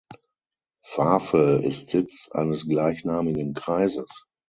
Fafe ist Sitz eines gleichnamigen Kreises.